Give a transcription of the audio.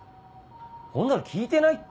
こんなの聞いてないって！